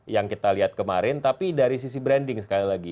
yang kita lihat kemarin tapi dari sisi branding sekali lagi